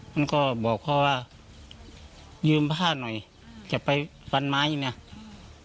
มันก็บอกเขาว่ายืมผ้าหน่อยจับไปปันไม้เนี่ย